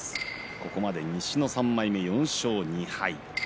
ここまで西の３枚目４勝２敗です。